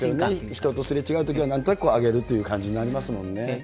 人とすれ違うときは、なんとなく上げるという感じになりますもんね。